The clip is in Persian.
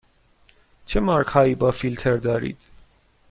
چه مارک هایی با فیلتر دارید؟